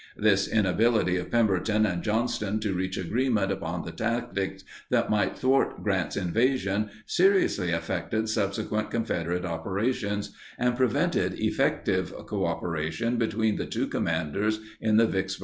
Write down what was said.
This inability of Pemberton and Johnston to reach agreement upon the tactics that might thwart Grant's invasion seriously affected subsequent Confederate operations and prevented effective cooperation between the two commanders in the Vicksburg campaign.